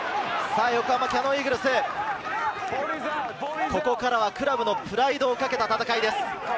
横浜キヤノンイーグルス、ここからはクラブのプライドを懸けた戦いです。